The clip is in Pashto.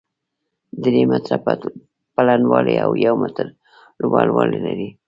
درې متره پلنوالی او يو متر لوړوالی لري،